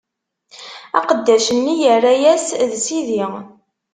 Aqeddac-nni yerra-yas: D sidi!